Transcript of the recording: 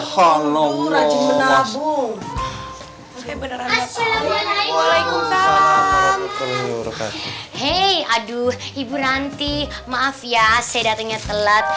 halo mau rajin melabung beneran assalamualaikum hei aduh ibu nanti maaf ya saya datangnya telat